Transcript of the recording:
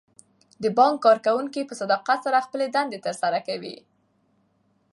د بانک کارکوونکي په صداقت سره خپلې دندې ترسره کوي.